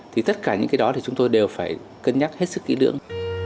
thì tất cả những cái đó thì chúng tôi đều phải cân nhắc hết sức kỹ lưỡng